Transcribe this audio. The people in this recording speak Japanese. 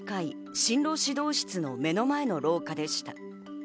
進路指導室の目の前の廊下でした。